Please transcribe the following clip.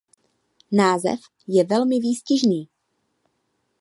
Název je velmi výstižný.